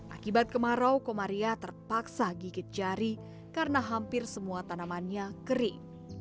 akibat kemarau komaria terpaksa gigit jari karena hampir semua tanamannya kering